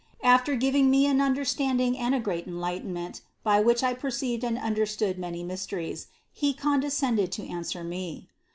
After giving me an understanding and a great enlightenment, by which I perceived and understood many mysteries, He condescended to answer me.